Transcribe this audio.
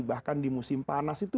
bahkan di musim panas itu